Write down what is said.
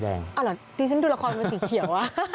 อ้าวเหรอตีฉันดูละครมันเป็นสีเขียว